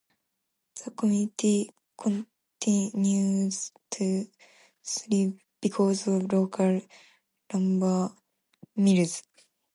The community continues to thrive because of local lumber mills.